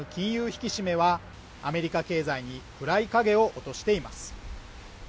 引き締めはアメリカ経済に暗い影を落としています